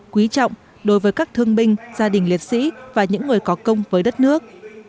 quý trọng đối với các thương binh gia đình liệt sĩ và những người có công với đất nước